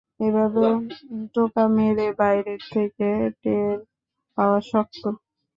ওভাবে টোকা মেরে বাইরে থেকে টের পাওয়া শক্ত।